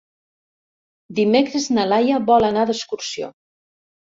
Dimecres na Laia vol anar d'excursió.